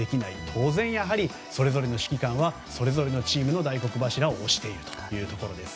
当然、それぞれの指揮官はそれぞれのチームの大黒柱を推しているというところです。